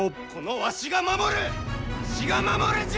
わしが守るんじゃ！